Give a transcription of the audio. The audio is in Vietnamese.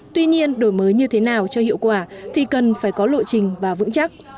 tuy nhiên đổi mới như thế nào cho hiệu quả thì cần phải có lộ trình và vững chắc